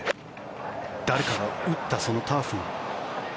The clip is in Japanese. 誰かが打ったそのターフの。